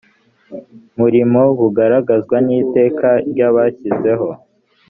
murimo bugaragazwa n iteka ryabashyizeho